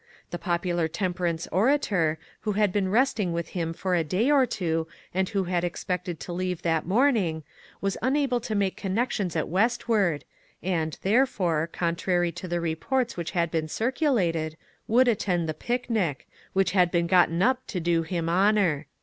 The popular temperance orator, who had been resting with him for a day or two, and who had expected to leave that morning, was unable to make connections Westward, and, therefore, contrary to the reports which had been circulated, would attend the picnic, which had been gotten up to do him honor.